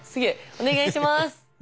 お願いします。